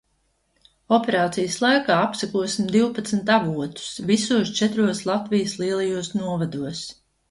Operācijas laikā apsekosim divpadsmit avotus visos četros Latvijas lielajos novados.